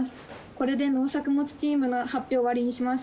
これで農作物チームの発表を終わりにします。